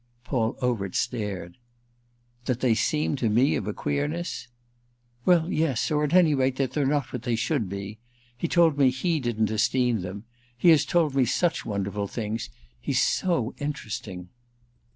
Paul Overt stared. "That they seem to me of a queerness—!" "Well yes, or at any rate that they're not what they should be. He told me he didn't esteem them. He has told me such wonderful things—he's so interesting."